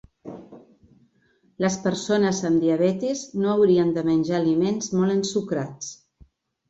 Les persones amb diabetis no haurien de menjar aliments molt ensucrats.